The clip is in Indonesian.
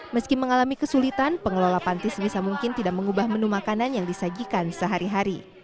meski mengalami kesulitan pengelola panti sebisa mungkin tidak mengubah menu makanan yang disajikan sehari hari